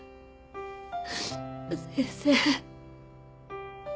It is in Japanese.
先生。